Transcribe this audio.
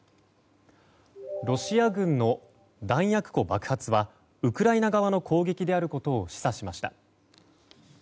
ロシア軍の弾薬庫爆発はウクライナ側の攻撃であることを示唆しました。